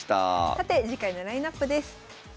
さて次回のラインナップです。